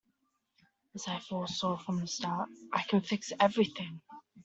As I foresaw from the start, I can fix everything.